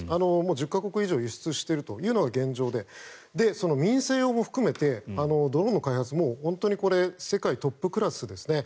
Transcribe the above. １０か国以上に輸出しているのが現状で民生用も含めてドローンの開発世界トップクラスですね。